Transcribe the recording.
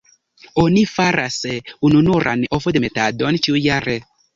Oni faras ununuran ovodemetadon ĉiujare.